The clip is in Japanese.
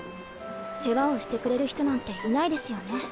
世話をしてくれる人なんていないですよね？